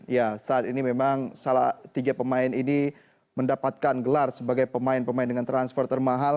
ya saat ini memang tiga pemain ini mendapatkan gelar sebagai pemain pemain dengan transfer termahal